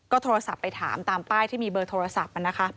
โทรศัพท์ไปถามตามป้ายที่มีเบอร์โทรศัพท์